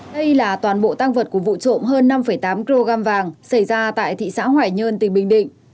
đây là toàn bộ tăng vật của vụ trộm hơn năm tám kg vàng xảy ra tại thị xã hoài nhơn tỉnh bình định